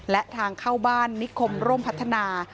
และทางเข้าบ้านนิคมร่มพัฒนา